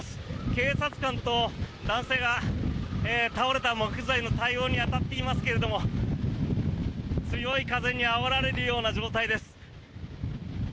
警察官と男性が倒れた木材の対応に当たっていますけれど強い風にあおられるような状態です。